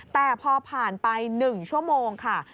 แต่พอผ่านไป๑ชั่วโมงค่ะ